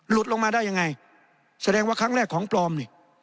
ลงมาได้ยังไงแสดงว่าครั้งแรกของปลอมนี่